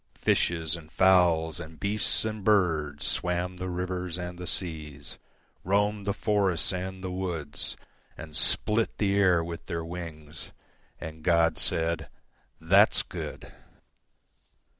Fishes and fowlsAnd beasts and birdsSwam the rivers and the seas, Roamed the forests and the woods, And split the air with their wings. And God said, "That's good!"